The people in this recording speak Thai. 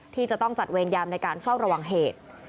ที่จะต้องจัดเวรยามในการเฝ้าระวังเหตุ